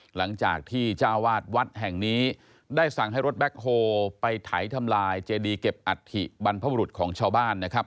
หลังจากที่เจ้าวาดวัดแห่งนี้ได้สั่งให้รถแบ็คโฮลไปไถทำลายเจดีเก็บอัฐิบรรพบุรุษของชาวบ้านนะครับ